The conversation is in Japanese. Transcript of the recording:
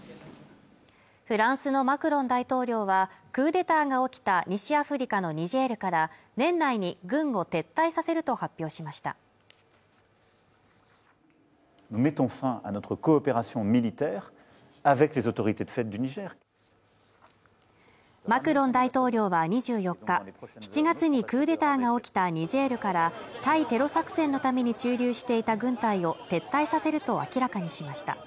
フランスのマクロン大統領はクーデターが起きた西アフリカのニジェールから年内に軍を撤退させると発表しましたマクロン大統領は２４日７月にクーデターが起きたニジェールから対テロ作戦のために駐留していた軍隊を撤退させると明らかにしました